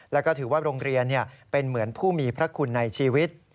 แล้วก็ถือว่าโรงเรียนเป็นเหมือนผู้มีพระคุณในชีวิต